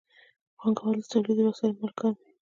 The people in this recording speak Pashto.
پانګوال د تولیدي وسایلو مالکان وي.